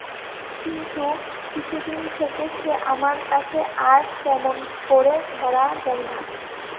কিন্তু কিছুদিন থেকে সে আমার কাছে আর তেমন করে ধরা দেয় না।